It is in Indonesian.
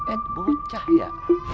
eh bucah ya